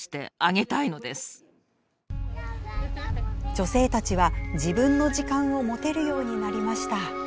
女性たちは自分の時間を持てるようになりました。